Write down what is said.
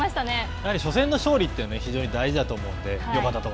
やはり初戦の勝利って、非常に大事だと思うので。